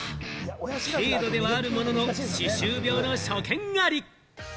軽度ではあるものの、歯周病の所見あり。